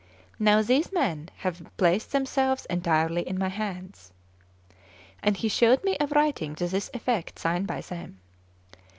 Now these men have placed themselves entirely in my hands;" and he showed me a writing to this effect signed by them.